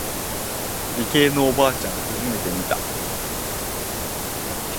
理系のおばあちゃん初めて見た。